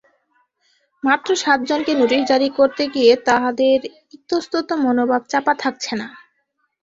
মাত্র সাতজনকে নোটিশ জারি করতে গিয়ে তাদের ইতস্তত মনোভাব চাপা থাকছে না।